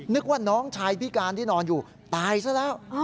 นึกว่าน้องชายพิการที่นอนอยู่ตายซะแล้ว